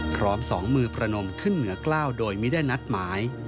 สองมือประนมขึ้นเหนือกล้าวโดยไม่ได้นัดหมาย